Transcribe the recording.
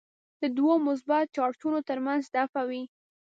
د دوو مثبت چارجونو ترمنځ دفعه وي.